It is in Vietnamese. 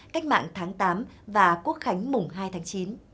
cách mạng tháng tám và quốc khánh mùng hai tháng chín